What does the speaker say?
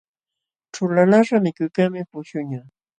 Ćhulalaqśhqa mikuykaqmi puśhuqñaq.